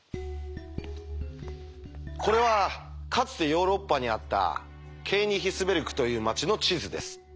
これはかつてヨーロッパにあったケーニヒスベルクという町の地図です。